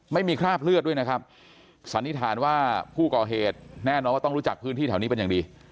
คราบเลือดด้วยนะครับสันนิษฐานว่าผู้ก่อเหตุแน่นอนว่าต้องรู้จักพื้นที่แถวนี้เป็นอย่างดี